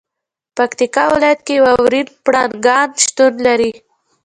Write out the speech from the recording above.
پکتیکا ولایت کې واورین پړانګان شتون لري.